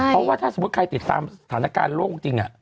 เพราะว่าถ้าสมมุติใครติดตามสถานการณ์โลกจริง